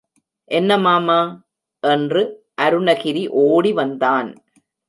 என்ன மாமா? என்று அருணகிரி ஓடி வந்தான்.